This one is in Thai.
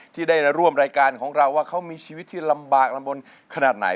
ที่ได้ร่วมรายการของเราว่าเขามีชีวิตที่ลำบากลำบลขนาดไหน